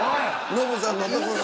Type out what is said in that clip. ノブさんのとこの。